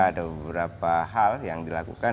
ada beberapa hal yang dilakukan